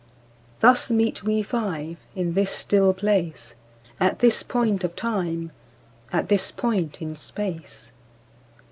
II Thus meet we five, in this still place, At this point of time, at this point in space.